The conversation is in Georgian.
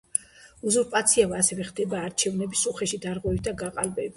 უზურპაცია ასევე ხდება არჩევნების უხეში დარღვევით და გაყალბებით.